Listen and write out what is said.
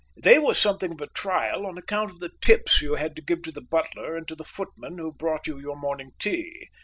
They were something of a trial on account of the tips you had to give to the butler and to the footman who brought you your morning tea.